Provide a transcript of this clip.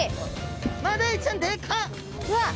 マダイちゃんでかっ！